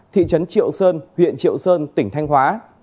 thị trấn triệu sơn huyện triệu sơn tỉnh thanh hóa